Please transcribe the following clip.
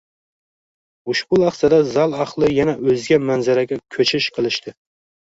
Ushbu lahzada zal ahli yana o‘zga manzaraga ko‘chish qilishdi.